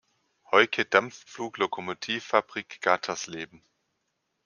Heucke Dampfpflug-Lokomotiv-Fabrik Gatersleben“.